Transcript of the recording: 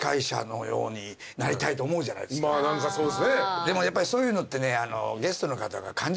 でもやっぱりそういうのってね。